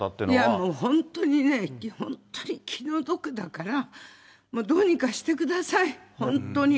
もう本当にね、本当に気の毒だから、もうどうにかしてください、本当に。